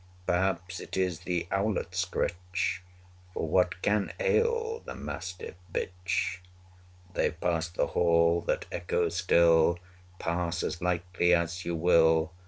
Perhaps it is the owlet's scritch: For what can ail the mastiff bitch? They passed the hall, that echoes still, Pass as lightly as you will!